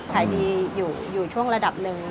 ขายดีอยู่ช่วงระดับหนึ่ง